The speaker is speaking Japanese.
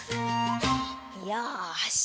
よし！